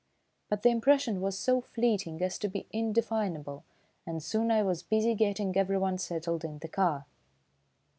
But the impression was so fleeting as to be indefinable, and soon I was busy getting everyone settled in the car.